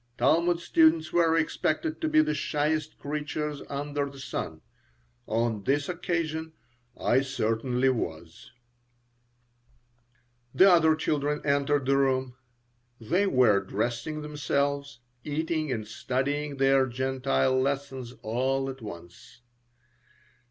Talmud students were expected to be the shyest creatures under the sun. On this occasion I certainly was The other children entered the room. They were dressing themselves, eating and studying their Gentile lessons all at once.